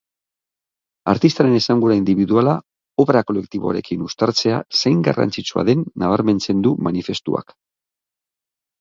Artistaren esangura indibiduala obra kolektiboarekin uztartzea zein garrantzitsua den nabarmentzen du manifestuak.